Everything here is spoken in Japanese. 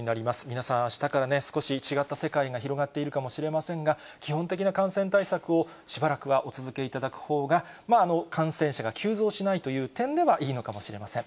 皆さん、あしたから少し違った世界が広がっているかもしれませんが、基本的な感染対策をしばらくはお続けいただくほうが、感染者が急増しないという点ではいいのかもしれません。